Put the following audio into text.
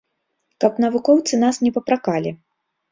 Каб навукоўцы нас не папракалі.